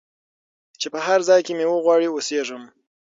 چي په هرځای کي مي وغواړی او سېږم